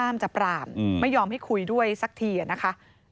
ไม่ยอมให้คุยด้วยสักทีนะคะ